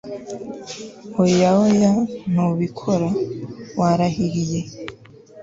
oya oya ntubikora! warahiriye